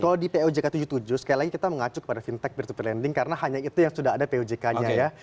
kalau di pojk tujuh puluh tujuh sekali lagi kita mengacu kepada fintech peer to peer lending karena hanya itu yang sudah ada pojk nya ya